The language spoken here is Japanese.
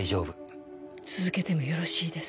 続けてもよろしいですか？